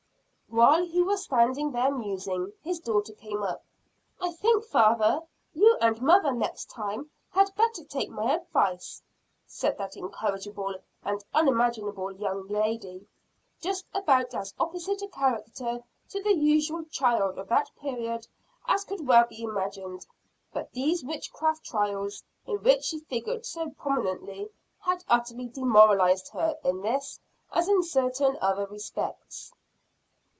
While he was standing there musing, his daughter came up. "I think, father, you and mother, next time, had better take my advice," said that incorrigible and unmanageable young lady; just about as opposite a character to the usual child of that period as could well be imagined. But these witchcraft trials, in which she figured so prominently had utterly demoralized her in this as in certain other respects.